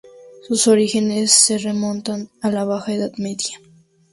Sus orígenes se remontan a la Baja Edad Media.